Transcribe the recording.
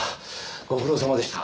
ご苦労さまでした。